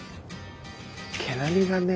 毛並みがね